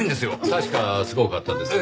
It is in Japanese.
確かすごかったですね。